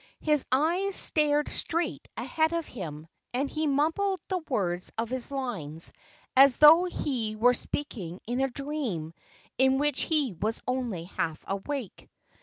His eyes stared straight ahead of him, and he mumbled the words of his lines as though he were speaking in a dream in which he was only half awake.